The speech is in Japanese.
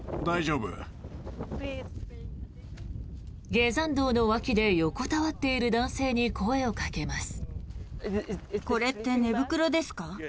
下山道の脇で横たわっている男性に声をかけます。